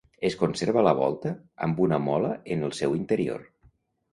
Es conserva la volta amb una mola en el seu interior.